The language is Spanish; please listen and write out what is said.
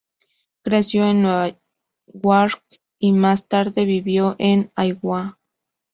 Creció en Newark y más tarde vivió en Iowa.